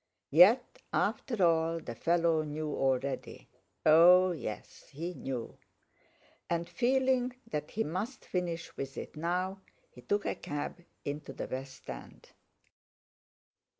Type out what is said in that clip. Yet, after all, the fellow knew already—oh yes, he knew! And, feeling that he must finish with it now, he took a cab into the West End.